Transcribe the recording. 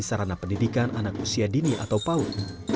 sarana pendidikan anak usia dini atau paut